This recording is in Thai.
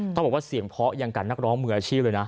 ต้องบอกว่าเสียงเพาะอย่างกับนักร้องมืออาชีพเลยนะ